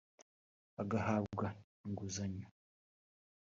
bagahabwa inguzanyo